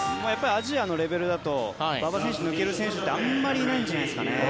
アジアのレベルだと馬場選手を抜ける選手ってあまりいないんじゃないですかね。